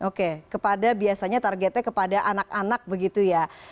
oke kepada biasanya targetnya kepada anak anak begitu ya